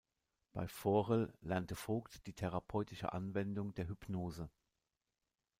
Bei Forel lernte Vogt die therapeutische Anwendung der Hypnose.